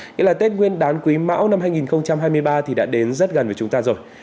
nghĩa là tết nguyên đán quý mão năm hai nghìn hai mươi ba thì đã đến rất gần với chúng ta rồi